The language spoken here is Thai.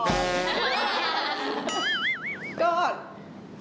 ไม่ตลกอย่างพี่ออย